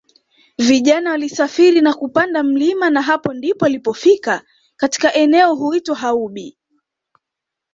vijana walisafiri na kupanda milima na hapo ndipo walipofika katika eneo huitwa Haubi